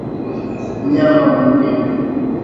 mnyama mwingine